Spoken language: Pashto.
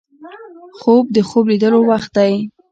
خوب د خوب لیدلو وخت دی